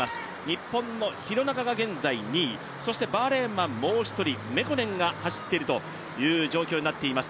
日本の廣中が現在２位、そしてバーレーンはもう一人、メコネンが走っているという状況になります。